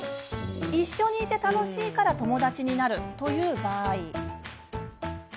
一緒にいて楽しいから友達になるという場合。